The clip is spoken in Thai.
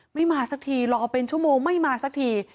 ไม่มาสักทีรอเป็นชั่วโมงไม่มาสักที